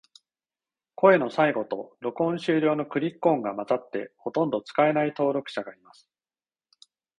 声の最後と、録音終了のクリック音が混ざって、ほとんど使えない登録者がいます。